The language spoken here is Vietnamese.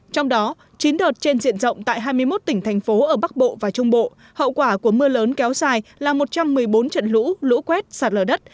trong đó chín đợt trên diện rộng tại hai mươi một tỉnh thành phố ở bắc bộ và trung bộ hậu quả của mưa lớn kéo dài là một trăm một mươi bốn trận lũ lũ quét sạt lở đất